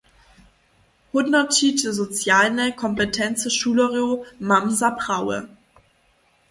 Hódnoćić socialne kompetency šulerjow mam za prawe.